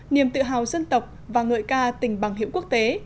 niềm tự hào dân tộc và ngợi ca tình bằng hiệu quốc tế